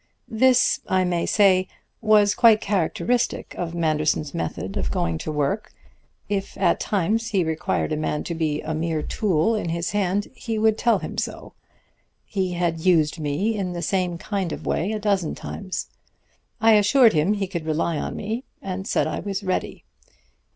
"This, I may say, was quite characteristic of Manderson's method of going to work. If at times he required a man to be a mere tool in his hand, he would tell him so. He had used me in the same kind of way a dozen times. I assured him he could rely on me, and said I was ready.